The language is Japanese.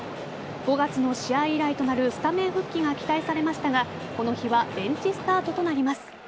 ５月の試合以来となるスタメン復帰が期待されましたがこの日はベンチスタートとなります。